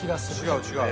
違う違う。